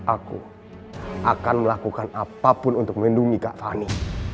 aku akan melakukan apapun untuk melindungi kak fani